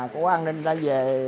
của an ninh đã về